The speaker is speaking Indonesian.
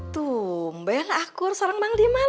tumbe lah akur sarang bang diman